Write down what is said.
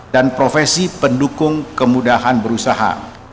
dan profesi pendukung kemudahan berusaha